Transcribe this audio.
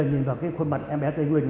nhìn vào cái khuôn mặt em bé tây nguyên